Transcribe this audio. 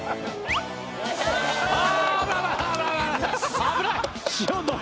危ない。